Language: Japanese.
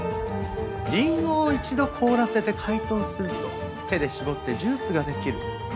リンゴを一度凍らせて解凍すると手で搾ってジュースができる。